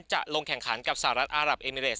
จะลงแข่งขันกับสหรัฐอารับเอมิเรส